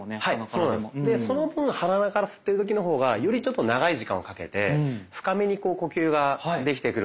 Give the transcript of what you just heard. その分鼻から吸ってる時の方がよりちょっと長い時間をかけて深めにこう呼吸ができてくるんじゃないかと思います。